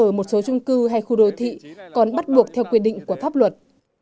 ở một số trung cư hay khu đô thị còn bắt buộc theo quy định của pháp luật